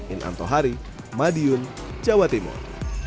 in antohari madiun jawa timur